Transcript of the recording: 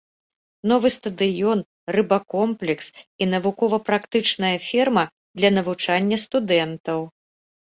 Новы стадыён, рыбакомплекс і навукова-практычная ферма для навучання студэнтаў.